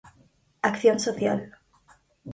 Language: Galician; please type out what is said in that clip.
Acción social.